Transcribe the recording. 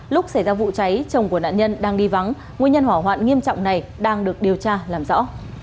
lúc xảy ra vụ cháy chồng của nạn nhân đang đi vắng nguyên nhân hỏa hoạn nghiêm trọng này đang được điều tra làm rõ